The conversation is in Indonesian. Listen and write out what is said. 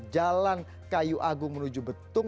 jalan kayu agung menuju betung